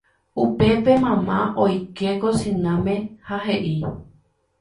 Upépe mama oike kosináme ha he'i